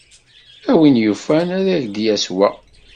A win yufan, ad ak-d-yas wa.